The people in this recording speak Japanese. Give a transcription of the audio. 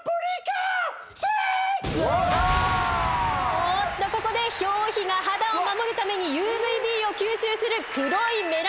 おっとここで表皮が肌を守るためにＵＶーＢを吸収する黒いメラニン色素を作り始めた！